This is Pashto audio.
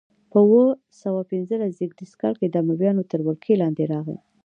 په اووه سوه پنځلسم زېږدیز کال د امویانو تر ولکې لاندې راغي.